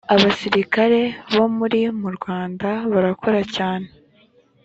abasirikari bo muri murwanda bakoracyane.